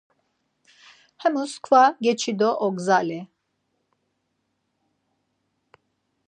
Hamus kva geçi do ogzali.